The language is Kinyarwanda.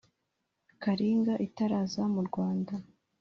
karinga itaraza mu rwanda.